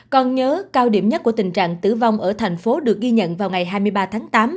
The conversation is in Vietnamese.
còn nhớ cao điểm nhất của tình trạng tử vong ở thành phố được ghi nhận vào ngày hai mươi ba tháng tám